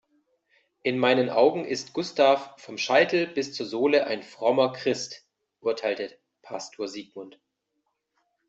In meinen Augen ist Gustav vom Scheitel bis zur Sohle ein frommer Christ, urteilte Pastor Sigmund.